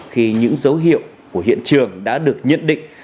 khi những dấu hiệu của hiện trường đã được nhận định